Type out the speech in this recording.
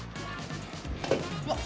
うわっ！